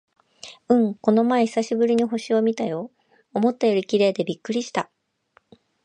うん、この前久しぶりに星を見たよ。思ったより綺麗でびっくりした！